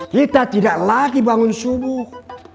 kita tidak lagi bangun subuh